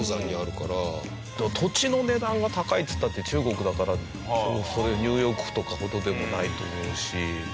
土地の値段が高いっつったって中国だからニューヨークとかほどでもないと思うし。